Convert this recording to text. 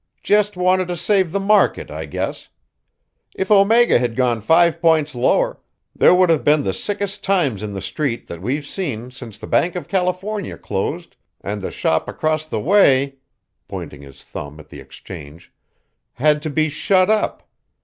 "Just wanted to save the market, I guess. If Omega had gone five points lower, there would have been the sickest times in the Street that we've seen since the Bank of California closed and the shop across the way," pointing his thumb at the Exchange, "had to be shut up.